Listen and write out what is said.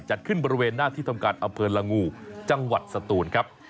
จัดขึ้นบริเวณหน้าที่ทำการอำเภอละงูจังหวัดสตูนครับ